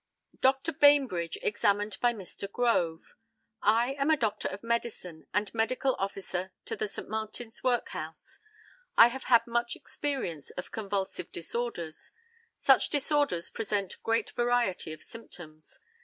Dr. BAINBRIDGE, examined by Mr. GROVE: I am a doctor of medicine, and medical officer to the St. Martin's workhouse. I have had much experience of convulsive disorders. Such disorders present great variety of symptoms.